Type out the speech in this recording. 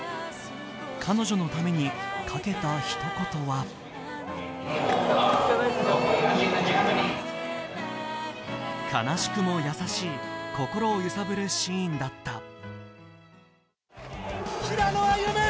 彼女のためにかけたひと言は悲しくも優しい、心を揺さぶるシーンだった。